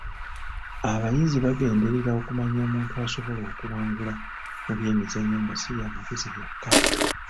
Abayizi bagenderera okumanya omuntu asobola okuwangula mu by'emizannyo nga si by'amagezi byokka.